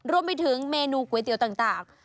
รวมไปถึงเมนูก๋วยเตี๋ยวต่าง